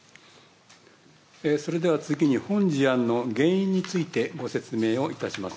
それでは次に本事案の原因について、ご説明をいたします。